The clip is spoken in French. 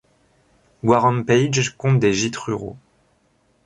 Warempage compte des gîtes ruraux.